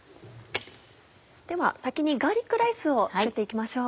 では先にガーリックライスを作って行きましょう。